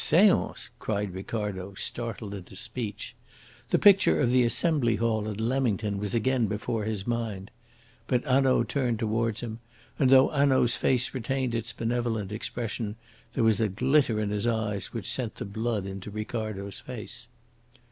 "Seance!" cried Ricardo, startled into speech. The picture of the Assembly Hall at Leamington was again before his mind. But Hanaud turned towards him, and, though Hanaud's face retained its benevolent expression, there was a glitter in his eyes which sent the blood into Ricardo's face.